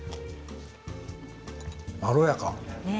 まろやか。